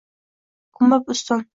Ko’mib ustun